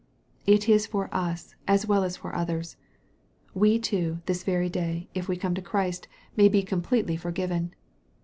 It is for us, as well as for others. We too, this very day, if we come to Christ, may be 56 EXPOSITORY THOUGHTS. completely forgiven.